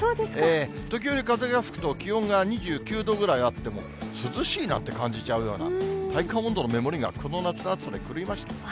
時折風が吹くと気温が２９度ぐらいあっても、涼しいなって感じちゃうような、体感温度の目盛りがこの夏の暑さで狂いました。